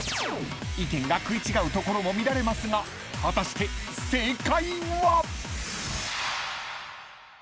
［意見が食い違うところも見られますが果たして正解は？］